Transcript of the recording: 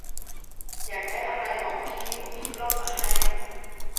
อยากได้อะไรบอกพี่ เดี๋ยวพี่ปล้นมาให้